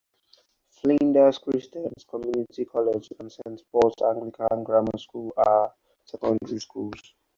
Flinders Christian Community College and Saint Paul's Anglican Grammar School are also secondary schools.